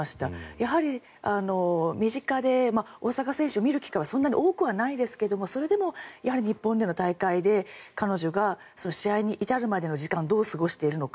やはり身近で大坂選手を見る機会はそんなに多くはないですがやはり日本の大会で彼女が試合に至るまでの時間どう過ごしていたのか。